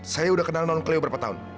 saya udah kenal non cleo berapa tahun